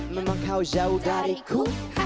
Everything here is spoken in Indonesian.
memang kau jauh dariku